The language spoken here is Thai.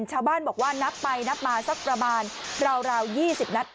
ชาวบ้านบอกว่านับไปนับมาสักประมาณราว๒๐นัด